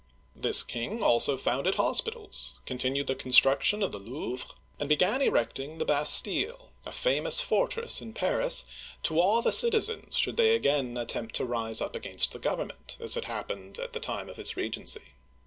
This king also founded hospitals, continued the construction of the Louvre, and began erecting the Bastille (bas teel'), a famous fortress in uigiTizea Dy vjiOOQlC 172 OLD FRANCE Paris, to awe the citizens should they again attempt to rise up against the government, as had happened at the time of his regency.